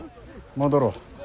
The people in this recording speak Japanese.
戻ろう。